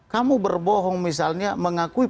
kamu berbohong misalnya mengakui